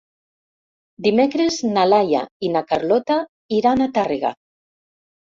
Dimecres na Laia i na Carlota iran a Tàrrega.